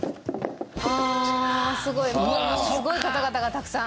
ものすごい方々がたくさん。